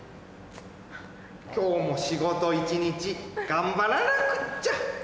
今日も仕事一日頑張らなくっちゃ！